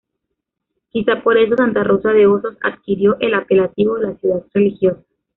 Quizá por eso Santa Rosa de Osos adquirió el apelativo de ""La Ciudad Religiosa"".